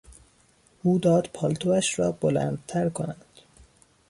او داد پالتوش را بلندتر کنند.